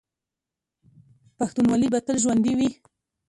پښتونولي به تل ژوندي وي.